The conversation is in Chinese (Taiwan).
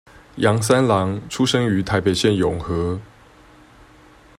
楊三郎出生於台北縣永和